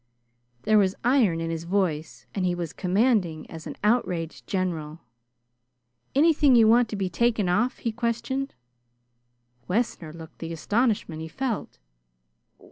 There was iron in his voice, and he was commanding as an outraged general. "Anything, you want to be taking off?" he questioned. Wessner looked the astonishment he felt.